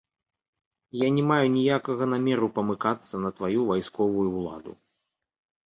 Я не маю ніякага намеру памыкацца на тваю вайсковую ўладу.